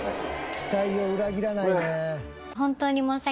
期待を裏切らないね。